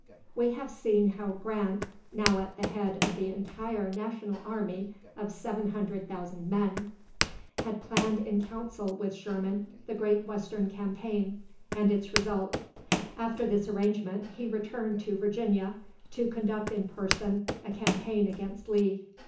We have seen how Grant, now at the head of the entire national army of 700,000 men, had planned in council with Sherman the great Western campaign, and its result. After this arrangement, he returned to Virginia, to conduct in person a campaign against Lee.